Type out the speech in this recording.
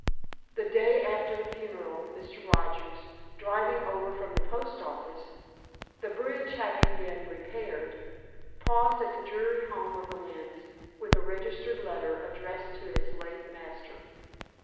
The day after the funeral, Mr. Rogers, driving over from the post office (the bridge having been repaired), paused at the dreary home of the Lynnes with a registered letter addressed to its late master.